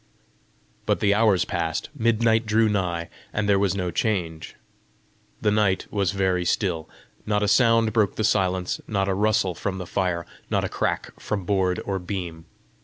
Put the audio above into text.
But the hours passed, midnight drew nigh, and there was no change. The night was very still. Not a sound broke the silence, not a rustle from the fire, not a crack from board or beam.